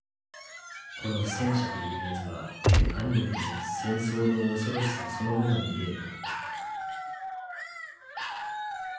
この戦車というやつは何よりも戦争の恐ろしさそのものに見えた」。